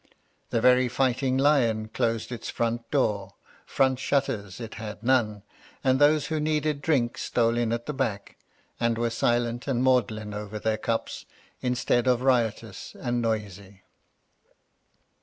The very Fighting Lion closed its front door, front shutters it had none, and those who needed drink stole in at the back, and were silent and maudlin over their cups, instead of riotous and noisy.